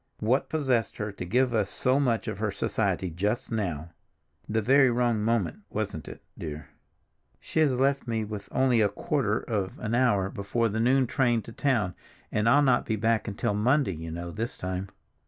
"What possessed her to give us so much of her society just now—the very wrong moment, wasn't it, dear? She has left me only a quarter of an hour before the noon train to town, and I'll not be back until Monday, you know, this time.